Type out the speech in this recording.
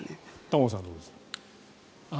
玉川さんどうです。